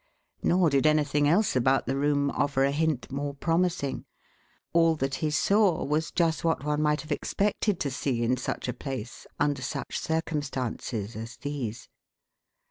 Nor did anything else about the room offer a hint more promising. All that he saw was just what one might have expected to see in such a place under such circumstances as these.